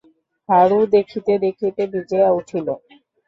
হারু দেখিতে দেখিতে ভিজিয়া উঠিল!